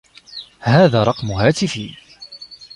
هذا رقم هاتفي.